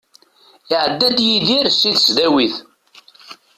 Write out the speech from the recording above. Iεedda-d Yidir si tesdawit.